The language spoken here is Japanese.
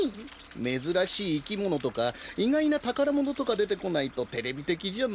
めずらしいいきものとかいがいなたからものとかでてこないとテレビてきじゃないんだよ。